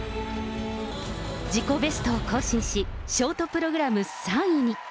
自己ベストを更新し、ショートプログラム３位に。